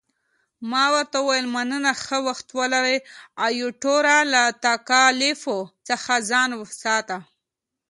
ما ورته وویل، مننه، ښه وخت ولرې، ایټوره، له تکالیفو څخه ځان ساته.